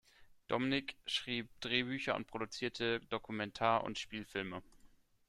Domnick schrieb Drehbücher und produzierte Dokumentar- und Spielfilme.